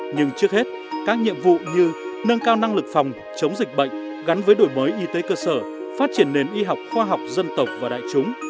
nhưng trước hết các nhiệm vụ như nâng cao năng lực phòng chống dịch bệnh gắn với đổi mới y tế cơ sở phát triển nền y học khoa học dân tộc và đại chúng